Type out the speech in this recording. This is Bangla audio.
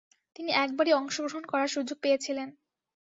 তিনি একবারই অংশগ্রহণ করার সুযোগ পেয়েছিলেন।